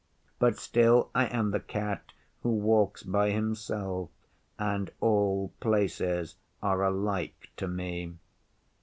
But still I am the Cat who walks by himself, and all places are alike to me.